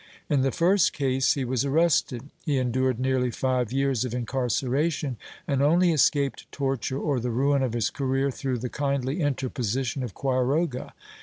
In the first case he was arrested; he endured nearly five years of incarceration and only escaped torture or the ruin of his career through the kindly interposition of Quiroga.